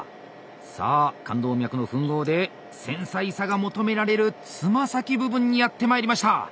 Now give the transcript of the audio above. さあ冠動脈の吻合で繊細さが求められるつま先部分にやって参りました。